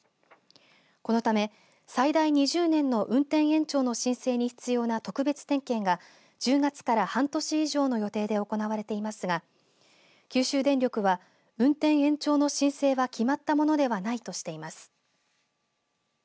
このため、最大２０年の運転延長の申請に必要な特別点検が１０月から半年以上の予定で行われていますが九州電力は運転延長の申請は決まったものではないとしています。